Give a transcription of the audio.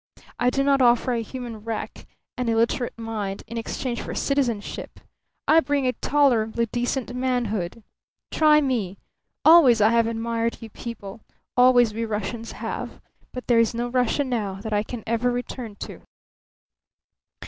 I do not offer a human wreck, an illiterate mind, in exchange for citizenship. I bring a tolerably decent manhood. Try me! Always I have admired you people. Always we Russians have. But there is no Russia now that I can ever return to!"